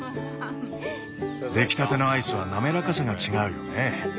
出来たてのアイスはなめらかさが違うよね。